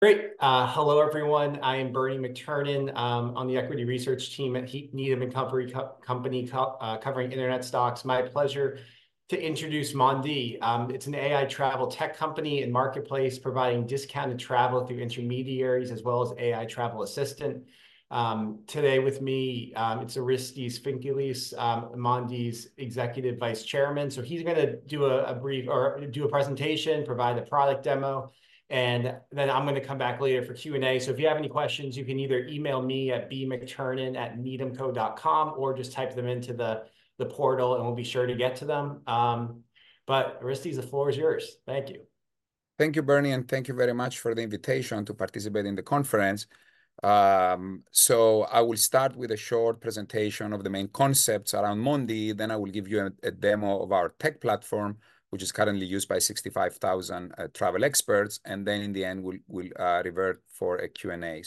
Great. Hello, everyone. I am Bernie McTernan, on the equity research team at Needham & Company, covering internet stocks. My pleasure to introduce Mondee. It's an AI travel tech company and marketplace providing discounted travel through intermediaries, as well as AI travel assistant. Today with me, it's Orestes Fintiklis, Mondee's Executive Vice Chairman. So he's gonna do a brief presentation, provide a product demo, and then I'm gonna come back later for Q&A. So if you have any questions, you can either email me at bmcternan@needhamco.com or just type them into the portal, and we'll be sure to get to them. But Orestes, the floor is yours. Thank you. Thank you, Bernie, and thank you very much for the invitation to participate in the conference. So I will start with a short presentation of the main concepts around Mondee, then I will give you a demo of our tech platform, which is currently used by 65,000 travel experts, and then in the end, we'll revert for a Q&A.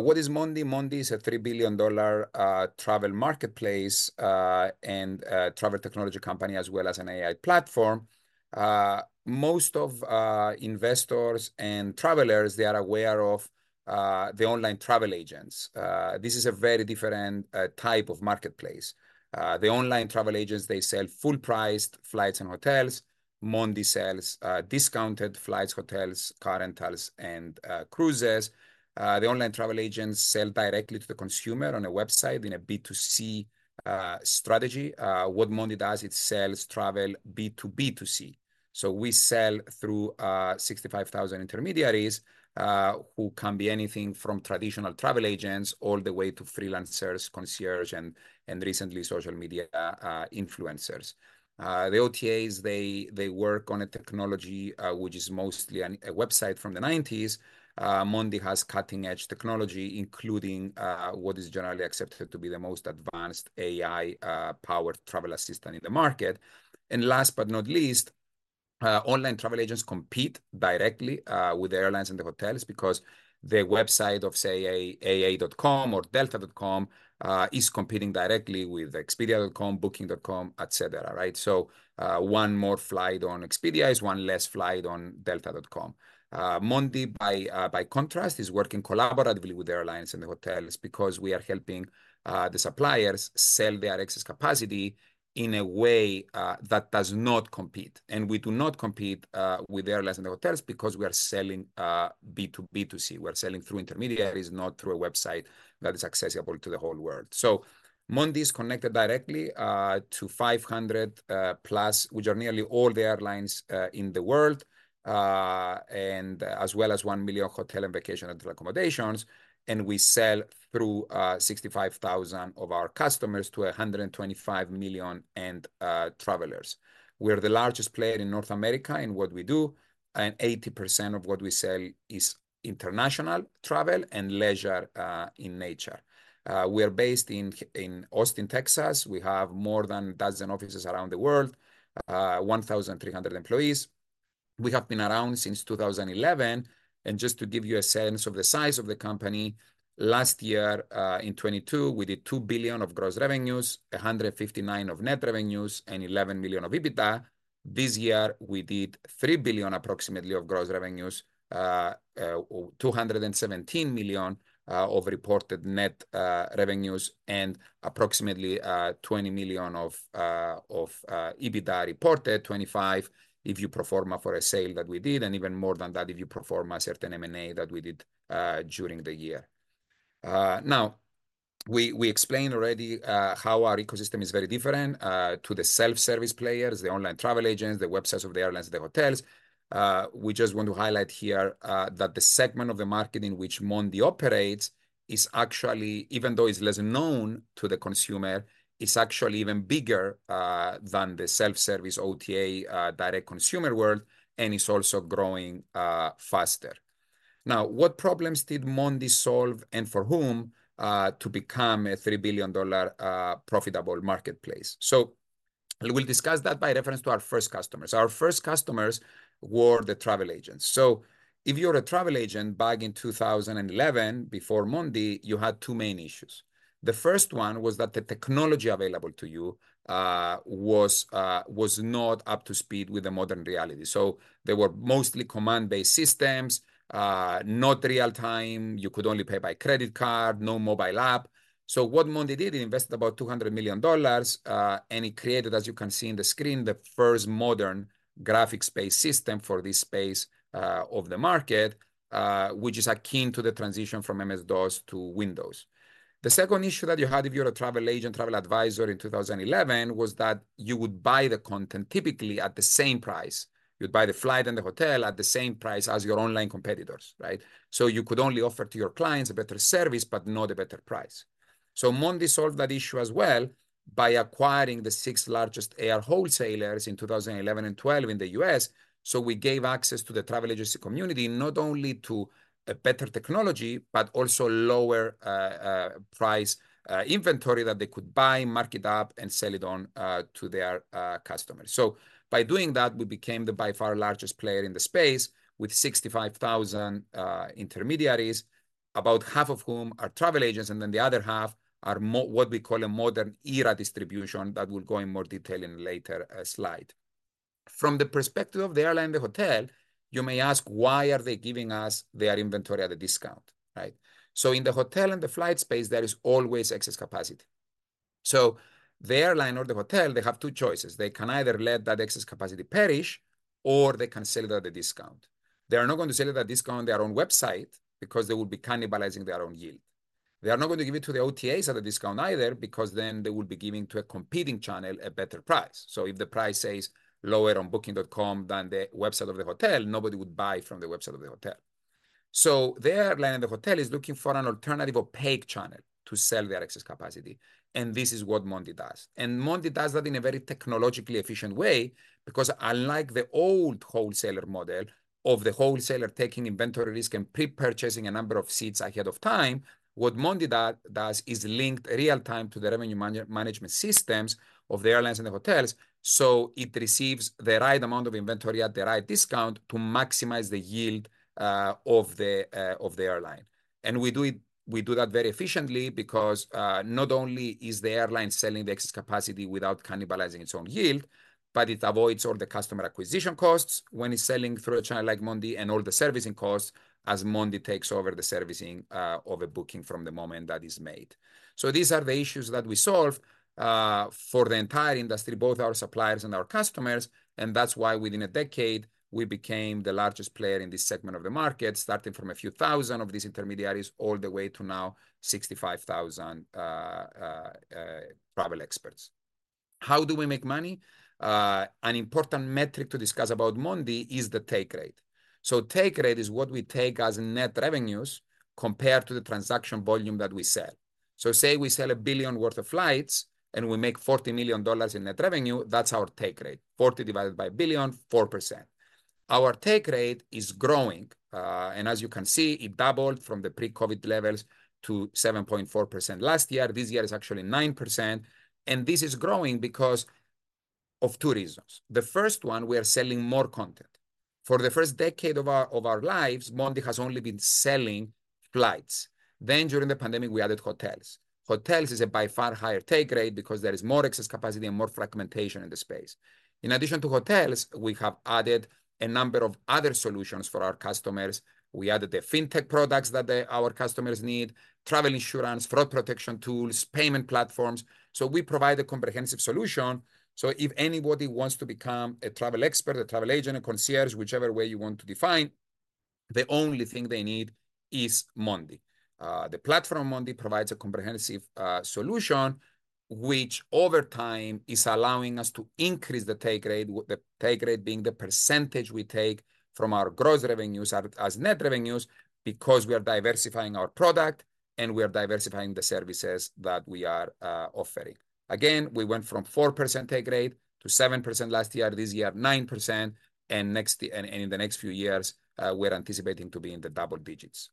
What is Mondee? Mondee is a $3 billion travel marketplace, and travel technology company, as well as an AI platform. Most of investors and travelers, they are aware of the online travel agents. This is a very different type of marketplace. The online travel agents, they sell full-priced flights and hotels. Mondee sells discounted flights, hotels, car rentals, and cruises. The online travel agents sell directly to the consumer on a website in a B2C strategy. What Mondee does, it sells travel B2B2C. So we sell through 65,000 intermediaries who can be anything from traditional travel agents all the way to freelancers, concierges, and recently, social media influencers. The OTAs work on a technology which is mostly a website from the 1990s. Mondee has cutting-edge technology, including what is generally accepted to be the most advanced AI powered travel assistant in the market. And last but not least, online travel agents compete directly with the airlines and the hotels because the website of, say, aa.com or delta.com is competing directly with expedia.com, Booking.com, et cetera, right? So one more flight on Expedia is one less flight on delta.com. Mondee, by contrast, is working collaboratively with airlines and the hotels because we are helping the suppliers sell their excess capacity in a way that does not compete, and we do not compete with airlines and the hotels because we are selling B2B2C. We're selling through intermediaries, not through a website that is accessible to the whole world. So Mondee is connected directly to 500+, which are nearly all the airlines in the world, and as well as 1 million hotel and vacation rental accommodations, and we sell through 65,000 of our customers to 125 million end travelers. We are the largest player in North America in what we do, and 80% of what we sell is international travel and leisure in nature. We are based in Austin, Texas. We have more than a dozen offices around the world, 1,300 employees. We have been around since 2011, and just to give you a sense of the size of the company, last year, in 2022, we did $2 billion of gross revenues, $159 million of net revenues, and $11 million of EBITDA. This year, we did approximately $3 billion of gross revenues, $217 million of reported net revenues, and approximately $20 million of EBITDA reported, $25 million if you pro forma for a sale that we did, and even more than that if you pro forma a certain M&A that we did during the year. Now, we explained already how our ecosystem is very different to the self-service players, the online travel agents, the websites of the airlines, the hotels. We just want to highlight here that the segment of the market in which Mondee operates is actually... even though it's less known to the consumer, it's actually even bigger than the self-service OTA, direct-to-consumer world, and it's also growing faster. Now, what problems did Mondee solve, and for whom, to become a $3 billion profitable marketplace? So we'll discuss that by reference to our first customers. Our first customers were the travel agents. So if you're a travel agent back in 2011, before Mondee, you had two main issues. The first one was that the technology available to you was not up to speed with the modern reality. So they were mostly command-based systems, not real time. You could only pay by credit card, no mobile app. So what Mondee did, it invested about $200 million, and it created, as you can see on the screen, the first modern graphics-based system for this space, of the market, which is akin to the transition from MS-DOS to Windows. The second issue that you had if you were a travel agent, travel advisor in 2011, was that you would buy the content typically at the same price. You'd buy the flight and the hotel at the same price as your online competitors, right? So you could only offer to your clients a better service, but not a better price. So Mondee solved that issue as well by acquiring the sixth-largest air wholesalers in 2011 and 2012 in the U.S. So we gave access to the travel agency community, not only to a better technology, but also lower price inventory that they could buy, mark it up, and sell it on to their customers. So by doing that, we became the by far largest player in the space, with 65,000 intermediaries, about half of whom are travel agents, and then the other half are what we call a modern era distribution that we'll go in more detail in a later slide. From the perspective of the airline, the hotel, you may ask, why are they giving us their inventory at a discount, right? So in the hotel and the flight space, there is always excess capacity. So the airline or the hotel, they have two choices: they can either let that excess capacity perish, or they can sell it at a discount. They are not going to sell it at a discount on their own website because they would be cannibalizing their own yield. They are not going to give it to the OTAs at a discount either, because then they would be giving to a competing channel a better price. So if the price says lower on Booking.com than the website of the hotel, nobody would buy from the website of the hotel. So the airline and the hotel is looking for an alternative opaque channel to sell their excess capacity, and this is what Mondee does. Mondee does that in a very technologically efficient way, because unlike the old wholesaler model of the wholesaler taking inventory risk and pre-purchasing a number of seats ahead of time, what Mondee does is linked real time to the revenue management systems of the airlines and the hotels, so it receives the right amount of inventory at the right discount to maximize the yield of the airline. We do that very efficiently because not only is the airline selling the excess capacity without cannibalizing its own yield, but it avoids all the customer acquisition costs when it's selling through a channel like Mondee, and all the servicing costs as Mondee takes over the servicing of a booking from the moment that is made. So these are the issues that we solve, for the entire industry, both our suppliers and our customers, and that's why within a decade, we became the largest player in this segment of the market, starting from a few thousand of these intermediaries, all the way to now 65,000 travel experts. How do we make money? An important metric to discuss about Mondee is the take rate. So take rate is what we take as net revenues compared to the transaction volume that we sell. So say we sell $1 billion worth of flights and we make $40 million in net revenue, that's our take rate, 40 divided by a billion, 4%. Our take rate is growing, and as you can see, it doubled from the pre-COVID levels to 7.4% last year. This year is actually 9%, and this is growing because of two reasons. The first one, we are selling more content. For the first decade of our lives, Mondee has only been selling flights. Then during the pandemic, we added hotels. Hotels is a by far higher take rate because there is more excess capacity and more fragmentation in the space. In addition to hotels, we have added a number of other solutions for our customers. We added the fintech products that our customers need, travel insurance, fraud protection tools, payment platforms. So we provide a comprehensive solution, so if anybody wants to become a travel expert, a travel agent, a concierge, whichever way you want to define, the only thing they need is Mondee. The platform, Mondee, provides a comprehensive solution, which over time is allowing us to increase the take rate, the take rate being the percentage we take from our gross revenues as net revenues, because we are diversifying our product and we are diversifying the services that we are offering. Again, we went from 4% take rate to 7% last year. This year, 9%, and in the next few years, we're anticipating to be in the double digits.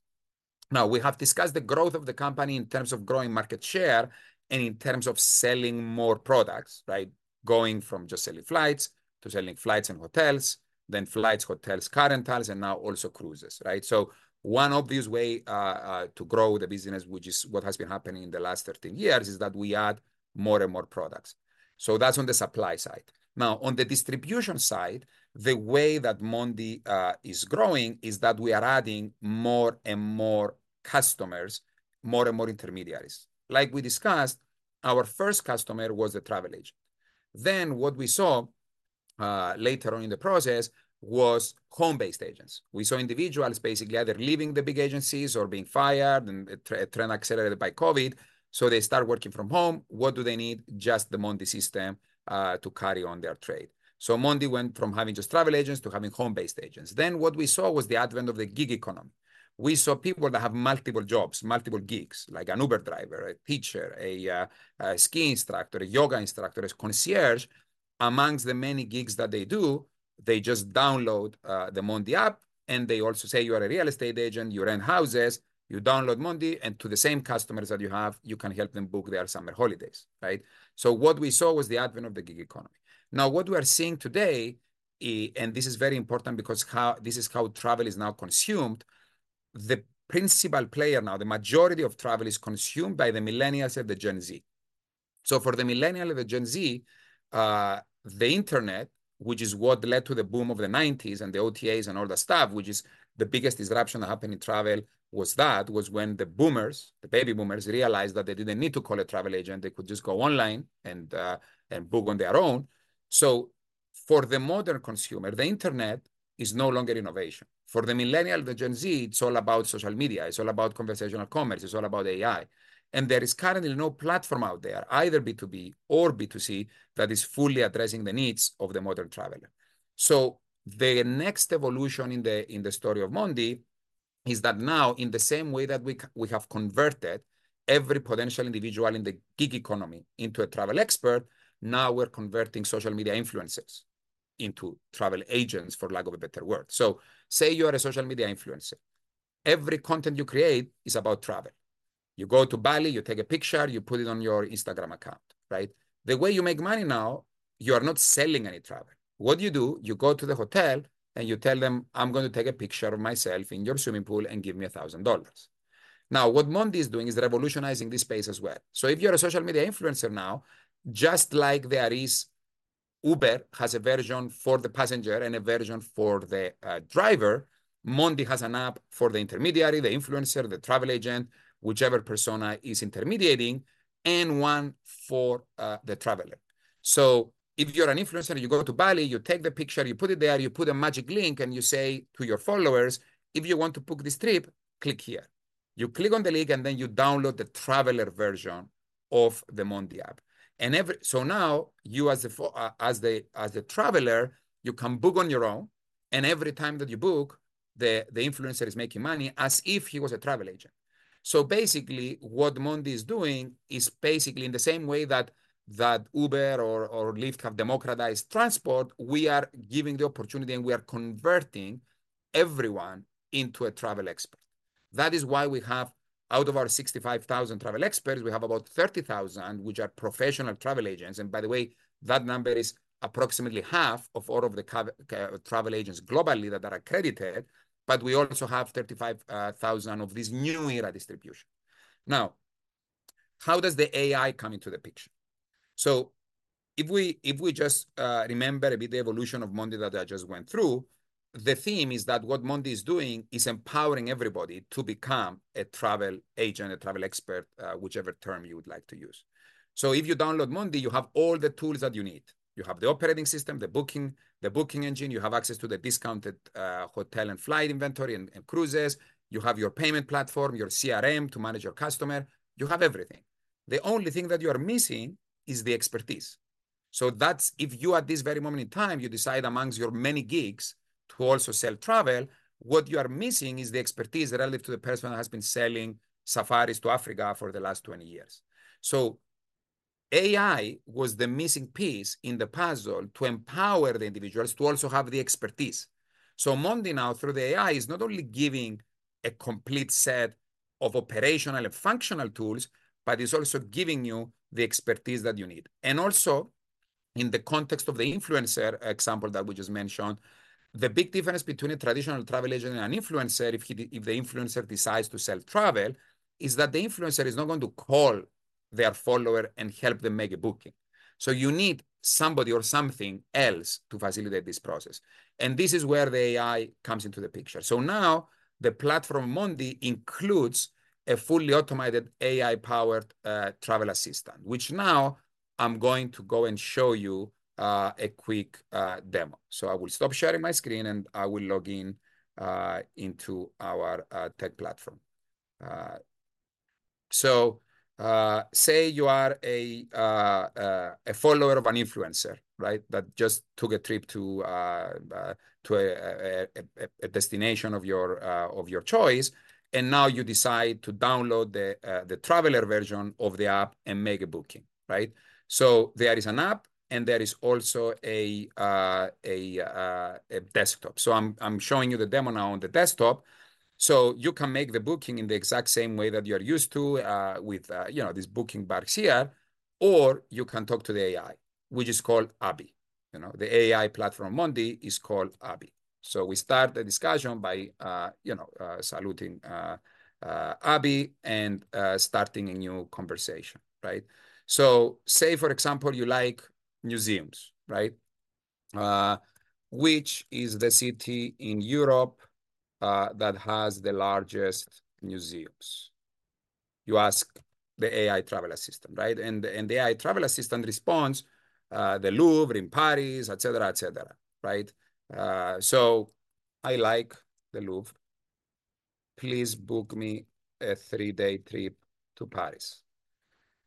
Now, we have discussed the growth of the company in terms of growing market share and in terms of selling more products, right? Going from just selling flights to selling flights and hotels, then flights, hotels, car rentals, and now also cruises, right? So one obvious way to grow the business, which is what has been happening in the last 13 years, is that we add more and more products. So that's on the supply side. Now, on the distribution side, the way that Mondee is growing is that we are adding more and more customers, more and more intermediaries. Like we discussed, our first customer was the travel agent. Then what we saw later on in the process was home-based agents. We saw individuals basically either leaving the big agencies or being fired, and a trend accelerated by COVID, so they start working from home. What do they need? Just the Mondee system to carry on their trade. So Mondee went from having just travel agents to having home-based agents. Then, what we saw was the advent of the gig economy. We saw people that have multiple jobs, multiple gigs, like an Uber driver, a teacher, a ski instructor, a yoga instructor, a concierge. Among the many gigs that they do, they just download the Mondee app, and they also say, "You are a real estate agent, you rent houses, you download Mondee, and to the same customers that you have, you can help them book their summer holidays," right? So what we saw was the advent of the gig economy. Now, what we are seeing today, and this is very important because this is how travel is now consumed. The principal player now, the majority of travel is consumed by the millennials and the Gen Z. So for the Millennial and the Gen Z, the internet, which is what led to the boom of the 1990s and the OTAs and all that stuff, which is the biggest disruption that happened in travel, was that, was when the Boomers, the Baby Boomers, realized that they didn't need to call a travel agent. They could just go online and book on their own. So for the modern consumer, the internet is no longer innovation. For the Millennial, the Gen Z, it's all about social media, it's all about conversational commerce, it's all about AI, and there is currently no platform out there, either B2B or B2C, that is fully addressing the needs of the modern traveler. So the next evolution in the story of Mondee is that now, in the same way that we have converted every potential individual in the gig economy into a travel expert, now we're converting social media influencers into travel agents, for lack of a better word. So say you are a social media influencer. Every content you create is about travel. You go to Bali, you take a picture, you put it on your Instagram account, right? The way you make money now, you are not selling any travel. What you do, you go to the hotel, and you tell them, "I'm going to take a picture of myself in your swimming pool, and give me $1,000." Now, what Mondee is doing is revolutionizing this space as well. So if you're a social media influencer now, just like there is Uber has a version for the passenger and a version for the driver. Mondee has an app for the intermediary, the influencer, the travel agent, whichever persona is intermediating, and one for the traveler. So if you're an influencer, you go to Bali, you take the picture, you put it there, you put a magic link, and you say to your followers, "If you want to book this trip, click here." You click on the link, and then you download the traveler version of the Mondee app. So now, you as the traveler, you can book on your own, and every time that you book, the influencer is making money as if he was a travel agent. So basically, what Mondee is doing is basically in the same way that Uber or Lyft have democratized transport, we are giving the opportunity, and we are converting everyone into a travel expert. That is why we have, out of our 65,000 travel experts, we have about 30,000, which are professional travel agents. And by the way, that number is approximately half of all of the travel agents globally that are accredited. But we also have 35,000 of this new era distribution. Now, how does the AI come into the picture? So if we just remember a bit the evolution of Mondee that I just went through, the theme is that what Mondee is doing is empowering everybody to become a travel agent, a travel expert, whichever term you would like to use. So if you download Mondee, you have all the tools that you need. You have the operating system, the booking, the booking engine. You have access to the discounted hotel and flight inventory and cruises. You have your payment platform, your CRM to manage your customer. You have everything. The only thing that you are missing is the expertise. So that's if you, at this very moment in time, you decide amongst your many gigs to also sell travel, what you are missing is the expertise relative to the person that has been selling safaris to Africa for the last 20 years. So AI was the missing piece in the puzzle to empower the individuals to also have the expertise. So Mondee now, through the AI, is not only giving a complete set of operational and functional tools, but it's also giving you the expertise that you need. And also, in the context of the influencer example that we just mentioned, the big difference between a traditional travel agent and an influencer, if he - if the influencer decides to sell travel, is that the influencer is not going to call their follower and help them make a booking. So you need somebody or something else to facilitate this process, and this is where the AI comes into the picture. So now, the platform, Mondee, includes a fully automated, AI-powered, travel assistant, which now I'm going to go and show you, a quick, demo. So I will stop sharing my screen, and I will log in, into our, tech platform. So, say you are a, a follower of an influencer, right? That just took a trip to a destination of your choice, and now you decide to download the traveler version of the app and make a booking, right? So there is an app, and there is also a desktop. So I'm showing you the demo now on the desktop. So you can make the booking in the exact same way that you are used to, with you know, these booking box here, or you can talk to the AI, which is called Abhi. You know, the AI platform, Mondee, is called Abhi. So we start the discussion by you know, saluting Abhi, and starting a new conversation, right? So say, for example, you like museums, right? Which is the city in Europe that has the largest museums? You ask the AI travel assistant, right? And the AI travel assistant responds, "The Louvre in Paris," et cetera, et cetera, right? So, "I like the Louvre. Please book me a three-day trip to Paris."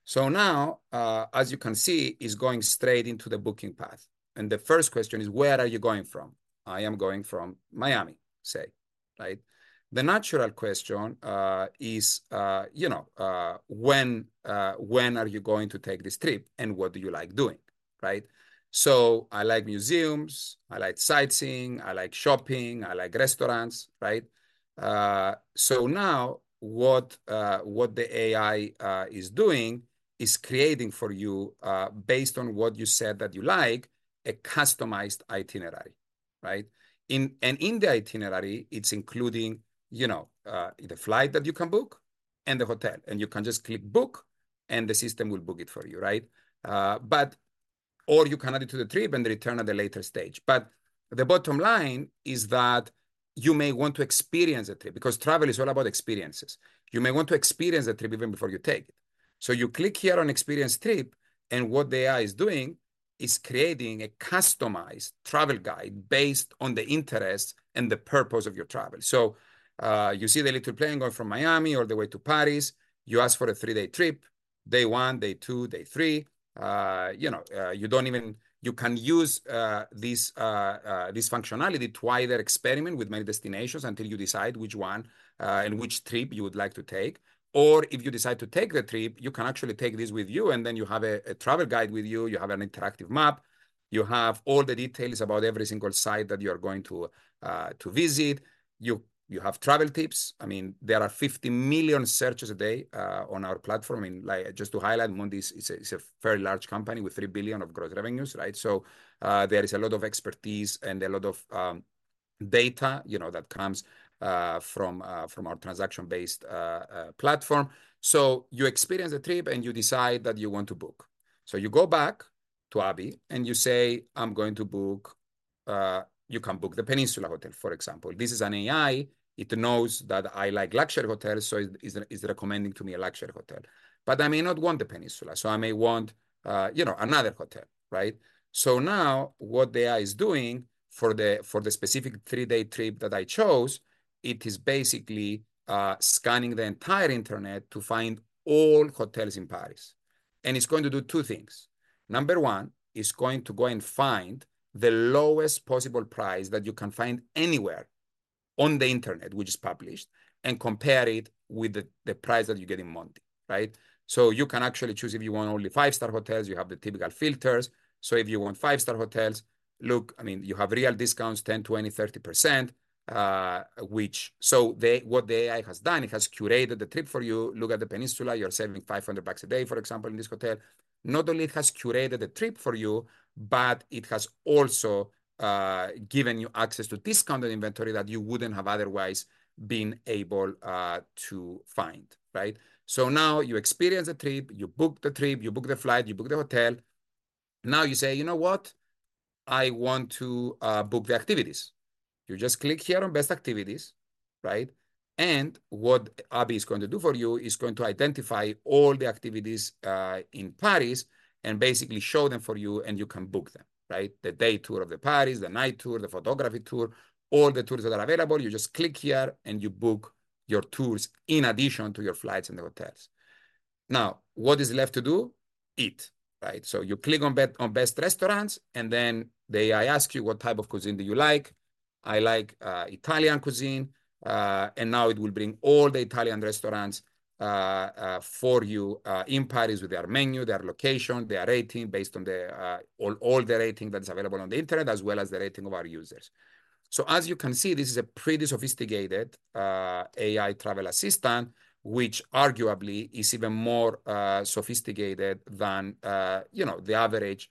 So now, as you can see, it's going straight into the booking path, and the first question is, "Where are you going from?" "I am going from Miami," say, right? The natural question is, you know, when are you going to take this trip, and what do you like doing, right? So I like museums. I like sightseeing. I like shopping. I like restaurants, right? So now, what the AI is doing is creating for you, based on what you said that you like, a customized itinerary, right? In the itinerary, it's including, you know, the flight that you can book and the hotel, and you can just click Book, and the system will book it for you, right? But, or you can add it to the trip and return at a later stage. But the bottom line is that you may want to experience a trip because travel is all about experiences. You may want to experience a trip even before you take it. So you click here on Experience trip, and what the AI is doing is creating a customized travel guide based on the interests and the purpose of your travel. So, you see the little plane going from Miami all the way to Paris. You asked for a three-day trip. Day one, day two, day three. You know, you don't even. You can use this functionality to either experiment with many destinations until you decide which one, and which trip you would like to take, or if you decide to take the trip, you can actually take this with you, and then you have a travel guide with you. You have an interactive map. You have all the details about every single site that you are going to visit. You have travel tips. I mean, there are 50 million searches a day on our platform, and, like, just to highlight, Mondee is a very large company with $3 billion of gross revenues, right? So, there is a lot of expertise and a lot of data, you know, that comes from our transaction-based platform. So you experience a trip, and you decide that you want to book. So you go back to Abhi, and you say, "I'm going to book," you can book the Peninsula Hotel, for example. This is an AI. It knows that I like luxury hotels, so it is recommending to me a luxury hotel. But I may not want the Peninsula, so I may want, you know, another hotel, right? So now, what the AI is doing for the specific three-day trip that I chose, it is basically scanning the entire internet to find all hotels in Paris, and it's going to do two things. Number one, it's going to go and find the lowest possible price that you can find anywhere on the internet, which is published, and compare it with the price that you get in Mondee, right? So you can actually choose if you want only five-star hotels. You have the typical filters. So if you want five-star hotels, look, I mean, you have real discounts, 10%, 20%, 30%, which... So they, what the AI has done, it has curated the trip for you. Look at the Peninsula. You're saving $500 a day, for example, in this hotel. Not only it has curated the trip for you, but it has also given you access to discounted inventory that you wouldn't have otherwise been able to find, right? So now you experience the trip, you book the trip, you book the flight, you book the hotel. Now you say, "You know what? I want to book the activities." You just click here on Best Activities, right? And what Abhi is going to do for you, it's going to identify all the activities in Paris and basically show them for you, and you can book them, right? The day tour of the Paris, the night tour, the photography tour, all the tours that are available, you just click here, and you book your tours in addition to your flights and the hotels. Now, what is left to do? Eat, right? So you click on Best Restaurants, and then the AI ask you, "What type of cuisine do you like?" I like Italian cuisine. And now it will bring all the Italian restaurants for you in Paris with their menu, their location, their rating, based on all the rating that is available on the internet, as well as the rating of our users. So as you can see, this is a pretty sophisticated AI travel assistant, which arguably is even more sophisticated than, you know, the average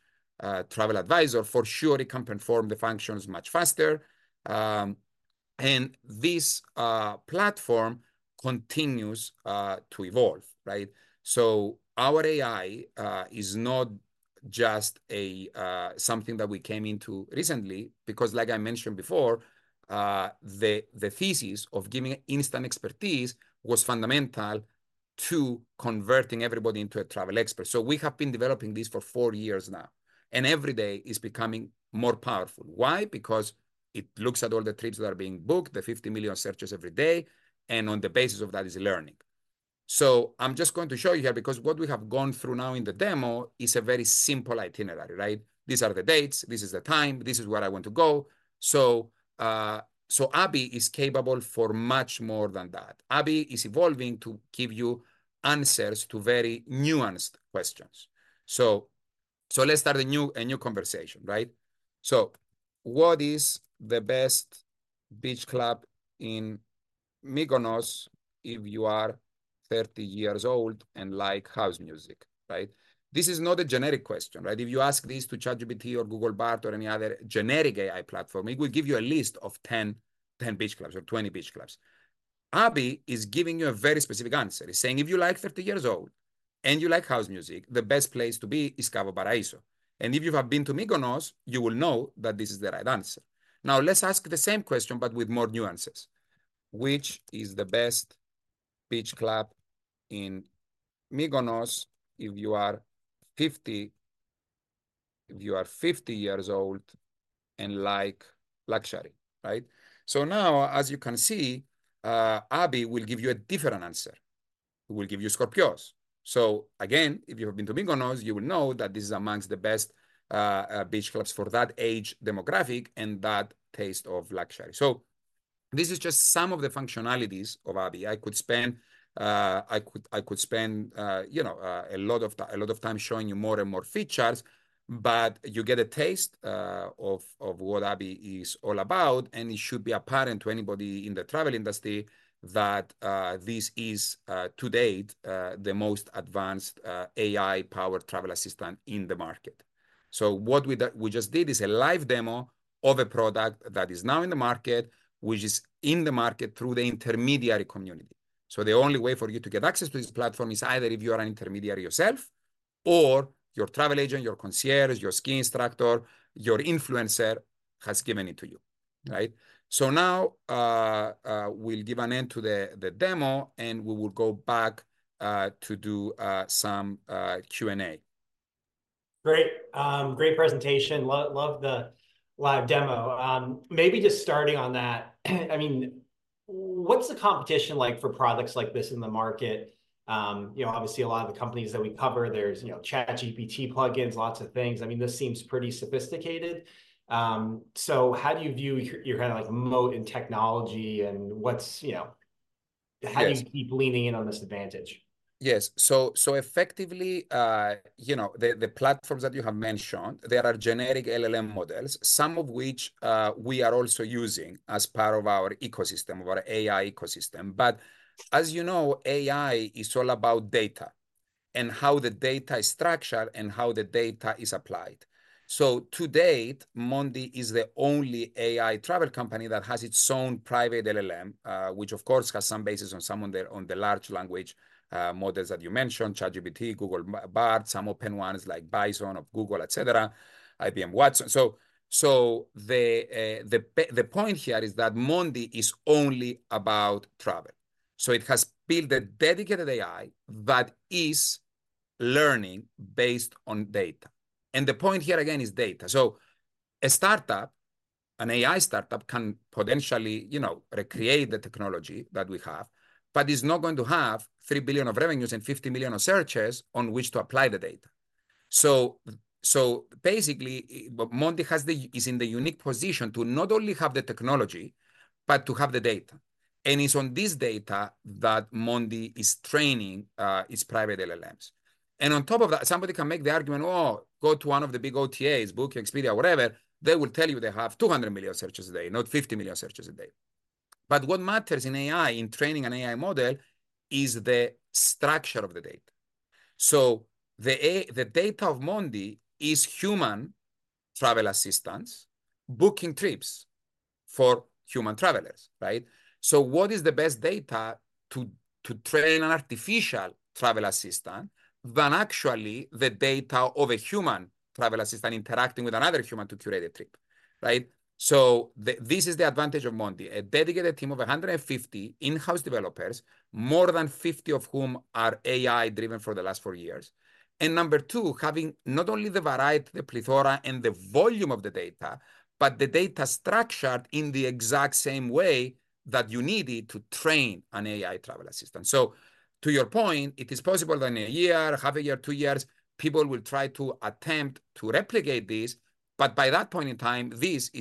travel advisor. For sure, it can perform the functions much faster. And this platform continues to evolve, right? So our AI is not just something that we came into recently, because, like I mentioned before, the thesis of giving instant expertise was fundamental to converting everybody into a travel expert. So we have been developing this for four years now, and every day it's becoming more powerful. Why? Because it looks at all the trips that are being booked, the 50 million searches every day, and on the basis of that, it's learning. So I'm just going to show you here, because what we have gone through now in the demo is a very simple itinerary, right? These are the dates, this is the time, this is where I want to go. So, Abhi is capable for much more than that. Abhi is evolving to give you answers to very nuanced questions. So, let's start a new conversation, right? So what is the best beach club in Mykonos if you are 30 years old and like house music, right? This is not a generic question, right? If you ask this to ChatGPT, or Google Bard, or any other generic AI platform, it will give you a list of 10 beach clubs or 20 beach clubs. Abhi is giving you a very specific answer. It's saying, "If you're, like, 30 years old, and you like house music, the best place to be is Cavo Paradiso." And if you have been to Mykonos, you will know that this is the right answer. Now, let's ask the same question, but with more nuances. Which is the best beach club in Mykonos if you are 50, if you are 50 years old and like luxury, right? So now, as you can see, Abhi will give you a different answer. It will give you Scorpios. So again, if you have been to Mykonos, you will know that this is amongst the best beach clubs for that age demographic and that taste of luxury. So this is just some of the functionalities of Abhi. I could spend, you know, a lot of time showing you more and more features, but you get a taste of what Abhi is all about. And it should be apparent to anybody in the travel industry that this is to date the most advanced AI-powered travel assistant in the market. So what we just did is a live demo of a product that is now in the market, which is in the market through the intermediary community. So the only way for you to get access to this platform is either if you are an intermediary yourself, or your travel agent, your concierge, your ski instructor, your influencer has given it to you, right? So now, we'll give an end to the demo, and we will go back to do some Q&A. Great presentation. Loved the live demo. Maybe just starting on that, I mean, what's the competition like for products like this in the market? You know, obviously, a lot of the companies that we cover, there's, you know, ChatGPT plugins, lots of things. I mean, this seems pretty sophisticated. So how do you view your kinda, like, moat in technology and what's, you know... Yes ...how do you keep leaning in on this advantage? Yes. So effectively, you know, the platforms that you have mentioned, they are generic LLM models, some of which, we are also using as part of our ecosystem, of our AI ecosystem. But as you know, AI is all about data... and how the data is structured and how the data is applied. So to date, Mondee is the only AI travel company that has its own private LLM, which of course has some basis on the large language models that you mentioned, ChatGPT, Google Bard, some open ones like Bison of Google, et cetera, IBM Watson. So the point here is that Mondee is only about travel. So it has built a dedicated AI that is learning based on data, and the point here again is data. So a startup, an AI startup, can potentially, you know, recreate the technology that we have, but it's not going to have $3 billion of revenues and 50 million of searches on which to apply the data. So, basically, but Mondee is in the unique position to not only have the technology, but to have the data, and it's on this data that Mondee is training its private LLMs. And on top of that, somebody can make the argument, "Oh, go to one of the big OTAs, Booking, Expedia, whatever," they will tell you they have 200 million searches a day, not 50 million searches a day. But what matters in AI, in training an AI model, is the structure of the data. So the data of Mondee is human travel assistants booking trips for human travelers, right? So what is the best data to train an artificial travel assistant than actually the data of a human travel assistant interacting with another human to curate a trip, right? So this is the advantage of Mondee, a dedicated team of 150 in-house developers, more than 50 of whom are AI driven for the last four years. And number two, having not only the variety, the plethora, and the volume of the data, but the data structured in the exact same way that you need it to train an AI travel assistant. So to your point, it is possible that in a year, half a year, two years, people will try to attempt to replicate this, but by that point in time, this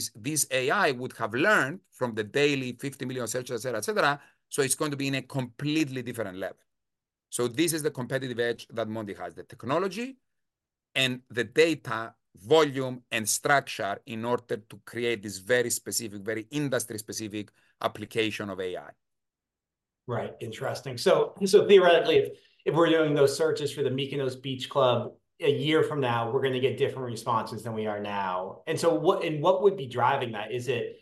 AI would have learned from the daily 50 million searches, et cetera, so it's going to be in a completely different level. So this is the competitive edge that Mondee has, the technology and the data volume and structure in order to create this very specific, very industry-specific application of AI. Right. Interesting. So, theoretically, if we're doing those searches for the Mykonos Beach Club, a year from now, we're gonna get different responses than we are now. And so what, and what would be driving that? Is it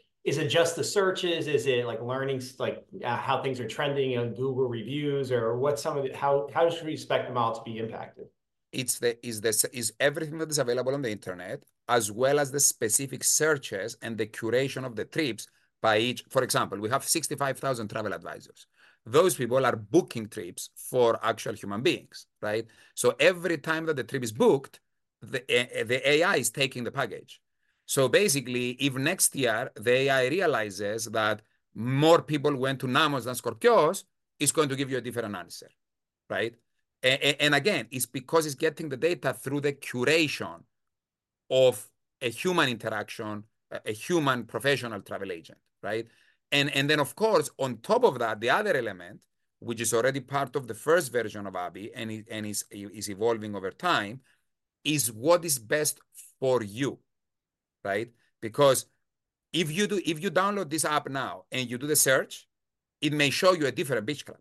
just the searches? Is it, like, learning, like, how things are trending on Google Reviews, or what's some of it? How, should we expect the models to be impacted? It's everything that is available on the internet, as well as the specific searches and the curation of the trips by each. For example, we have 65,000 travel advisors. Those people are booking trips for actual human beings, right? So every time that the trip is booked, the AI is taking the package. So basically, if next year the AI realizes that more people went to Nammos than Scorpios, it's going to give you a different answer, right? And again, it's because it's getting the data through the curation of a human interaction, a human professional travel agent, right? And then, of course, on top of that, the other element, which is already part of the first version of Abhi, and is evolving over time, is what is best for you, right? Because if you download this app now, and you do the search, it may show you a different beach club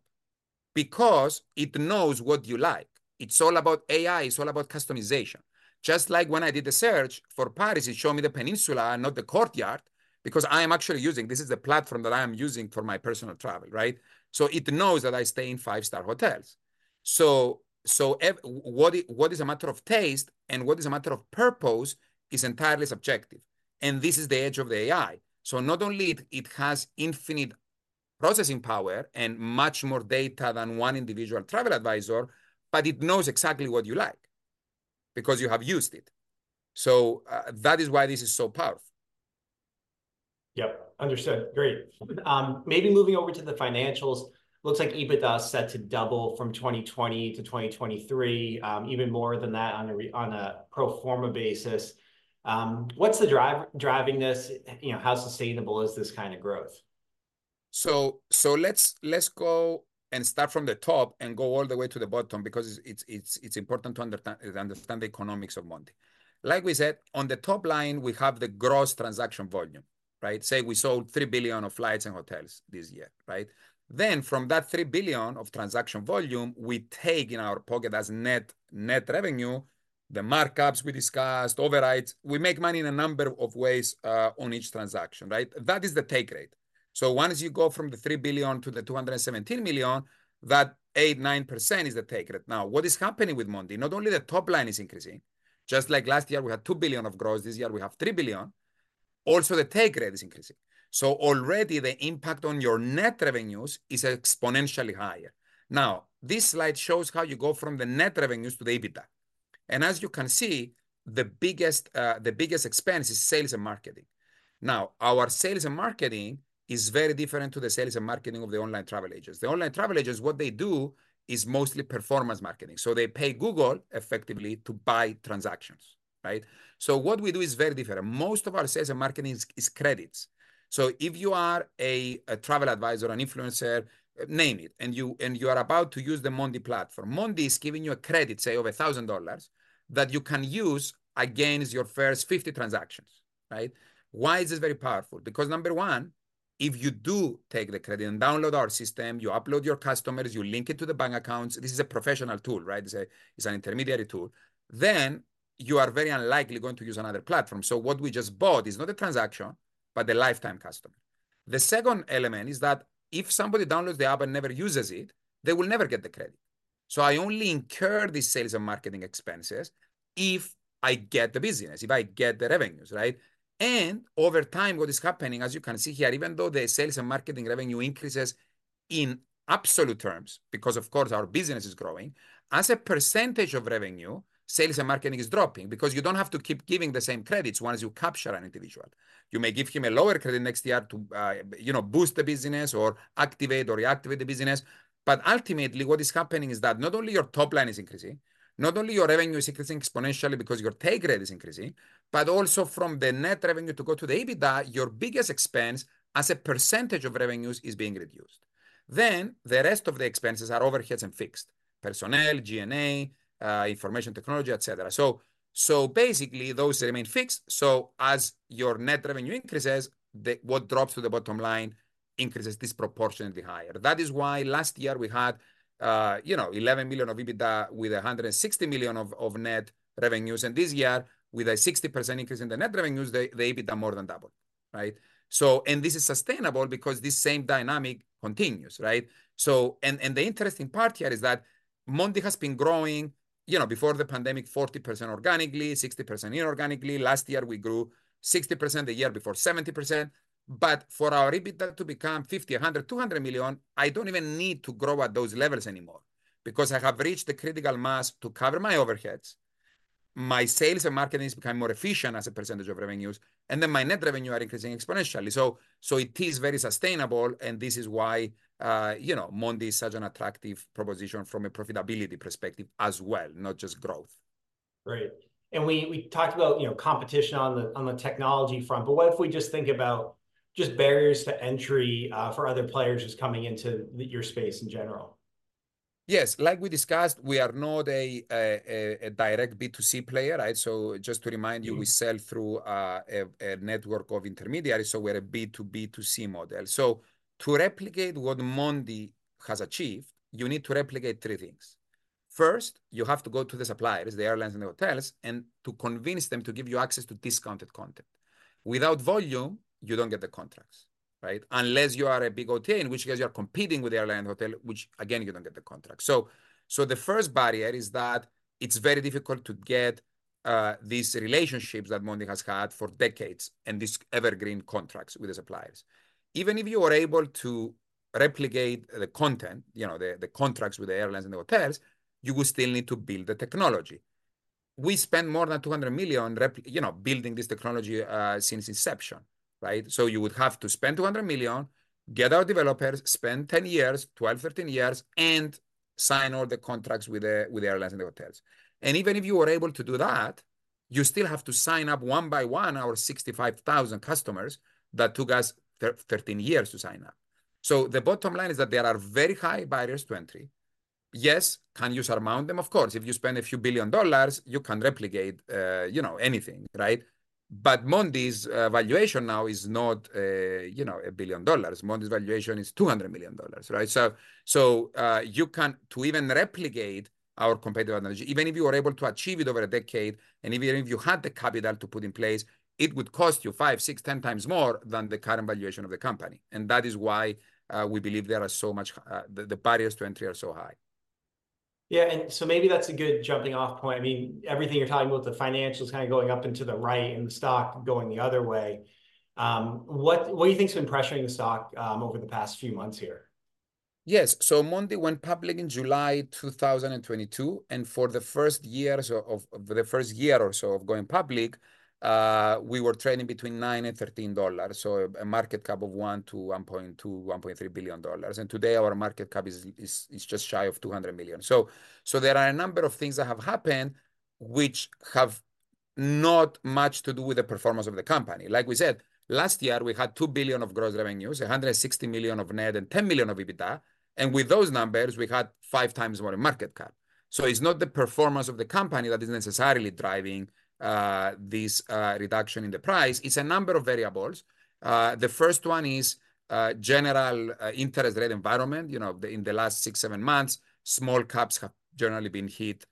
because it knows what you like. It's all about AI. It's all about customization. Just like when I did the search for Paris, it showed me the Peninsula and not the Courtyard because I am actually using... This is the platform that I am using for my personal travel, right? So it knows that I stay in five-star hotels. So what is a matter of taste and what is a matter of purpose is entirely subjective, and this is the edge of the AI. So not only it, it has infinite processing power and much more data than one individual travel advisor, but it knows exactly what you like because you have used it. So that is why this is so powerful. Yep, understood. Great. Maybe moving over to the financials, looks like EBITDA is set to double from 2020 to 2023, even more than that on a pro forma basis. What's driving this? You know, how sustainable is this kind of growth? So let's go and start from the top and go all the way to the bottom because it's important to understand the economics of Mondee. Like we said, on the top line, we have the gross transaction volume, right? Say we sold $3 billion of flights and hotels this year, right? Then from that $3 billion of transaction volume, we take in our pocket as net revenue, the markups we discussed, overrides. We make money in a number of ways on each transaction, right? That is the take rate. So once you go from the $3 billion to the $217 million, that 8%-9% is the take rate. Now, what is happening with Mondee, not only the top line is increasing, just like last year, we had $2 billion of gross, this year we have $3 billion, also, the take rate is increasing. So already the impact on your net revenues is exponentially higher. Now, this slide shows how you go from the net revenues to the EBITDA, and as you can see, the biggest, the biggest expense is sales and marketing. Now, our sales and marketing is very different to the sales and marketing of the online travel agents. The online travel agents, what they do is mostly performance marketing, so they pay Google effectively to buy transactions, right? So what we do is very different. Most of our sales and marketing is credits. So if you are a travel advisor, an influencer, name it, and you are about to use the Mondee platform, Mondee is giving you a credit, say, of $1,000, that you can use against your first 50 transactions, right? Why is this very powerful? Because number one... If you do take the credit and download our system, you upload your customers, you link it to the bank accounts. This is a professional tool, right? It's an intermediary tool. Then you are very unlikely going to use another platform. So what we just bought is not a transaction, but a lifetime customer. The second element is that if somebody downloads the app and never uses it, they will never get the credit. So I only incur these sales and marketing expenses if I get the business, if I get the revenues, right? Over time, what is happening, as you can see here, even though the sales and marketing revenue increases in absolute terms, because of course our business is growing, as a percentage of revenue, sales and marketing is dropping because you don't have to keep giving the same credits once you capture an individual. You may give him a lower credit next year to, you know, boost the business or activate or reactivate the business. But ultimately, what is happening is that not only your top line is increasing, not only your revenue is increasing exponentially because your take rate is increasing, but also from the net revenue to go to the EBITDA, your biggest expense as a percentage of revenues is being reduced. Then, the rest of the expenses are overheads and fixed: personnel, G&A, Information Technology, et cetera. So, so basically, those remain fixed. So as your net revenue increases, the - what drops to the bottom line increases disproportionately higher. That is why last year we had, you know, $11 million of EBITDA with $160 million of net revenues, and this year, with a 60% increase in the net revenues, the EBITDA more than doubled, right? So, and this is sustainable because this same dynamic continues, right? So, and the interesting part here is that Mondee has been growing, you know, before the pandemic, 40% organically, 60% inorganically. Last year, we grew 60%; the year before, 70%. But for our EBITDA to become $50 million, $100 million, $200 million, I don't even need to grow at those levels anymore because I have reached the critical mass to cover my overheads. My sales and marketing has become more efficient as a percentage of revenues, and then my net revenue are increasing exponentially. So, it is very sustainable, and this is why, you know, Mondee is such an attractive proposition from a profitability perspective as well, not just growth. Right. And we talked about, you know, competition on the technology front, but what if we just think about barriers to entry for other players just coming into your space in general? Yes. Like we discussed, we are not a direct B2C player, right? So just to remind you - we sell through a network of intermediaries, so we're a B2B2C model. So to replicate what Mondee has achieved, you need to replicate three things: First, you have to go to the suppliers, the airlines and the hotels, and to convince them to give you access to discounted content. Without volume, you don't get the contracts, right? Unless you are a big hotel, in which case you are competing with airline, hotel, which again, you don't get the contract. So the first barrier is that it's very difficult to get these relationships that Mondee has had for decades, and these evergreen contracts with the suppliers. Even if you are able to replicate the content, you know, the contracts with the airlines and the hotels, you will still need to build the technology. We spent more than $200 million, you know, building this technology since inception, right? So you would have to spend $200 million, get our developers, spend 10 years, 12 years, 13 years, and sign all the contracts with the airlines and the hotels. Even if you were able to do that, you still have to sign up one by one our 65,000 customers that took us 13 years to sign up. So the bottom line is that there are very high barriers to entry. Yes, can you surmount them? Of course, if you spend a few billion dollars, you can replicate anything, right? But Mondee's valuation now is not a billion dollars. Mondee's valuation is $200 million, right? So you can't... To even replicate our competitive advantage, even if you were able to achieve it over a decade, and even if you had the capital to put in place, it would cost you 5, 6, 10x more than the current valuation of the company. That is why we believe there are so much the barriers to entry are so high. Yeah, and so maybe that's a good jumping-off point. I mean, everything you're talking about, the financials kind of going up into the right and the stock going the other way. What do you think has been pressuring the stock over the past few months here? Yes. So Mondee went public in July 2022, and for the first years of the first year or so of going public, we were trading between $9-$13, so a market cap of $1-$1.2-$1.3 billion. And today, our market cap is just shy of $200 million. So there are a number of things that have happened which have not much to do with the performance of the company. Like we said, last year, we had $2 billion of gross revenues, $160 million of net, and $10 million of EBITDA, and with those numbers, we had five times more market cap. So it's not the performance of the company that is necessarily driving this reduction in the price. It's a number of variables. The first one is general interest rate environment. You know, in the last six to seven months, small caps have generally been hit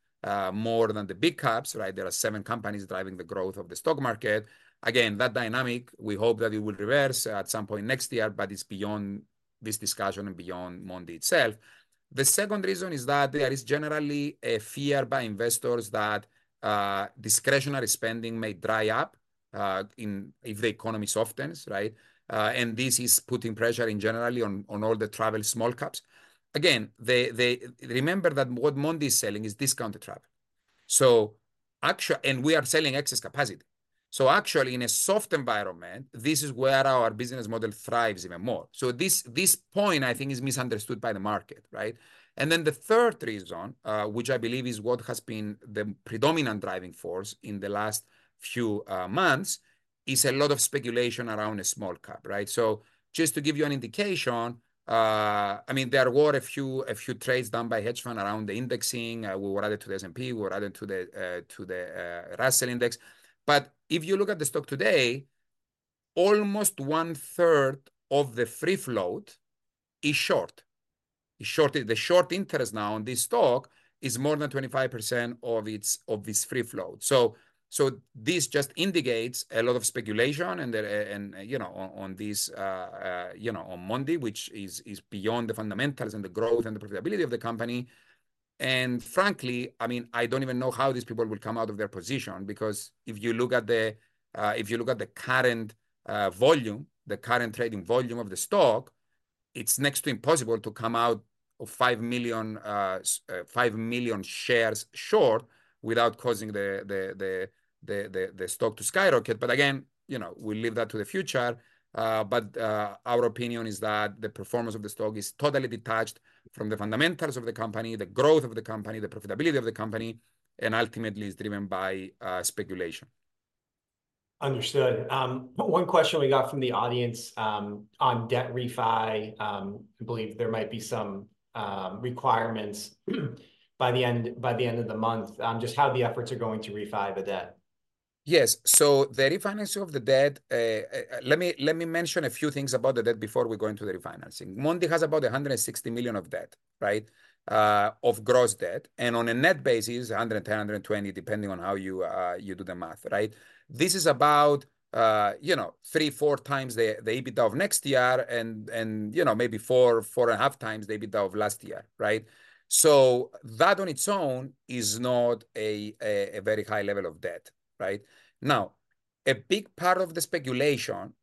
more than the big caps, right? There are seven companies driving the growth of the stock market. Again, that dynamic, we hope that it will reverse at some point next year, but it's beyond this discussion and beyond Mondee itself. The second reason is that there is generally a fear by investors that discretionary spending may dry up if the economy softens, right? And this is putting pressure generally on all the travel small caps. Again, remember that what Mondee is selling is discounted travel, so actually and we are selling excess capacity. So actually, in a soft environment, this is where our business model thrives even more. So this, this point, I think, is misunderstood by the market, right? And then the third reason, which I believe is what has been the predominant driving force in the last few months, is a lot of speculation around a small cap, right? So just to give you an indication, I mean, there were a few trades done by hedge fund around the indexing. We were added to the S&P. We were added to the Russell Index. But if you look at the stock today, almost one third of the Free Float is short. The Short Interest now on this stock is more than 25% of its, of this Free Float. So this just indicates a lot of speculation, and, you know, on this, you know, on Monday, which is beyond the fundamentals and the growth and the profitability of the company. And frankly, I mean, I don't even know how these people will come out of their position, because if you look at the current volume, the current trading volume of the stock, it's next to impossible to come out of 5 million shares short without causing the stock to skyrocket. But again, you know, we leave that to the future. But our opinion is that the performance of the stock is totally detached from the fundamentals of the company, the growth of the company, the profitability of the company, and ultimately is driven by speculation. Understood. But one question we got from the audience, on debt refi, I believe there might be some requirements by the end of the month, just how the efforts are going to refi the debt? Yes. So the refinancing of the debt, let me mention a few things about the debt before we go into the refinancing. Mondee has about $160 million of debt, right? Of gross debt, and on a net basis, $110-$120, depending on how you do the math, right? This is about, you know, 3-4 times the EBITDA of next year and, you know, maybe 4-4.5 times the EBITDA of last year, right? So that on its own is not a very high level of debt, right? Now, a big part of the speculation,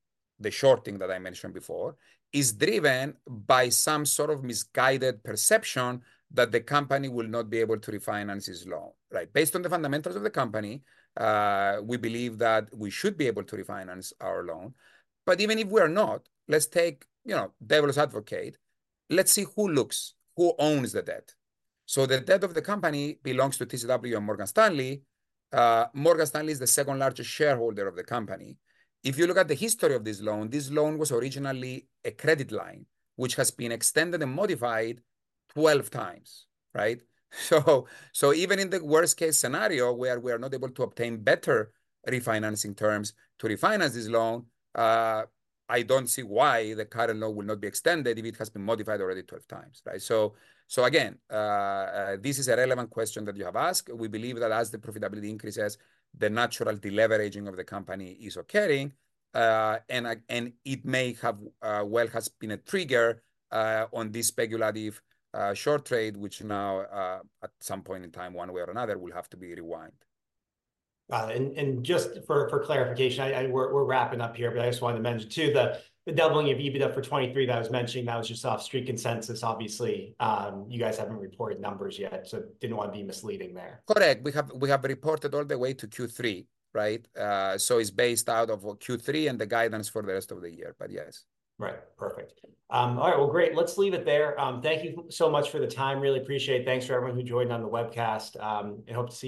the shorting that I mentioned before, is driven by some sort of misguided perception that the company will not be able to refinance this loan, right? Based on the fundamentals of the company, we believe that we should be able to refinance our loan. But even if we are not, let's take, you know, devil's advocate, let's see who owns the debt. So the debt of the company belongs to TCW and Morgan Stanley. Morgan Stanley is the second largest shareholder of the company. If you look at the history of this loan, this loan was originally a credit line, which has been extended and modified 12 times, right? So even in the worst case scenario, where we are not able to obtain better refinancing terms to refinance this loan, I don't see why the current loan will not be extended if it has been modified already 12 times, right? So again, this is a relevant question that you have asked. We believe that as the profitability increases, the natural deleveraging of the company is occurring, and it may have, well, has been a trigger on this speculative short trade, which now, at some point in time, one way or another, will have to be rewind. And just for clarification, and we're wrapping up here, but I just wanted to mention, too, the doubling of EBITDA for 2023 that I was mentioning, that was just off street consensus, obviously. You guys haven't reported numbers yet, so didn't want to be misleading there. Correct. We have reported all the way to Q3, right? So it's based out of Q3 and the guidance for the rest of the year, but yes. Right. Perfect. All right, well, great. Let's leave it there. Thank you so much for the time. Really appreciate. Thanks for everyone who joined on the webcast. I hope to see you.